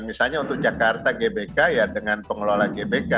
misalnya untuk jakarta gbk ya dengan pengelola gbk